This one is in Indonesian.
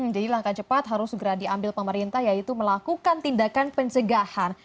jadi langkah cepat harus segera diambil pemerintah yaitu melakukan tindakan pencegahan